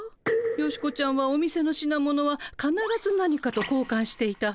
ヨシコちゃんはお店の品物はかならず何かと交換していたはず。